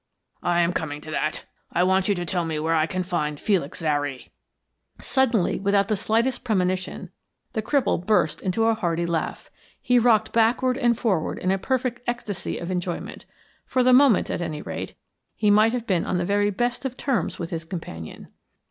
"I am coming to that. I want you to tell me where I can find Felix Zary." Suddenly, without the slightest premonition, the cripple burst into a hearty laugh. He rocked backward and forward in a perfect ecstasy of enjoyment; for the moment, at any rate, he might have been on the very best of terms with his companion.